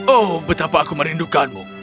oh betapa aku merindukanmu